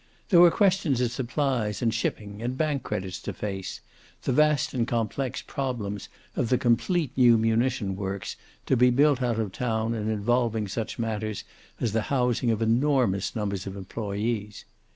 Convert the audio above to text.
There were questions of supplies and shipping and bank credits to face, the vast and complex problems of the complete new munition works, to be built out of town and involving such matters as the housing of enormous numbers of employees.